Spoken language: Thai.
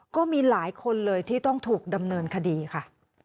ก็มีหลายคนเลยที่ต้องถูกดำเนินคดีค่ะ